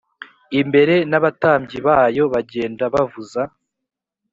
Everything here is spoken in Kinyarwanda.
imbere n abatambyi bayo bagenda bavuza